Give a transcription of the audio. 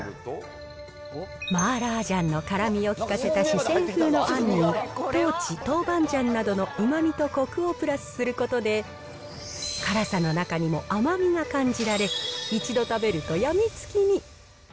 マーラージャンの辛みを効かせた四川風のあんに、トウチ、トウバンジャンなどのうまみとこくをプラスすることで、辛さの中にも甘みが感じられ、一度食べると病みつきに。